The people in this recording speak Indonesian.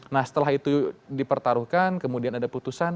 nah setelah itu dipertaruhkan kemudian ada putusan